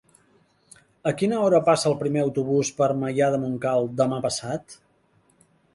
A quina hora passa el primer autobús per Maià de Montcal demà passat?